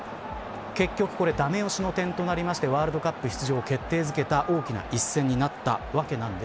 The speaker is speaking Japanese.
結局これがダメ押しの点となってワールドカップ出場を決定づけた大きな一戦になりました。